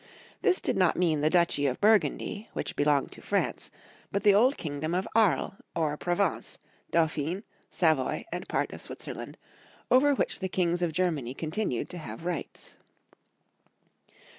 This did not mean the duchy of Burgundy, which belonged to France, but the old kingdom of Aries, or Provence, Dauphine, Savoy, and* part of Switzerland, over which the Kings of Germany continued to have rights.